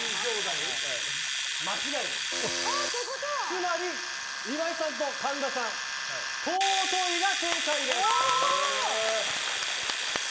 つまり、岩井さんと神田さん尊いが正解です！